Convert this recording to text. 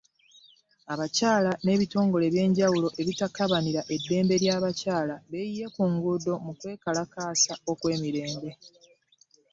Abakyala n’ebitongole ebyenjawulo ebitakabanira eddembe ly’abakyala beeyiye ku nguudo mu kwekalakaasa okw’emirembe.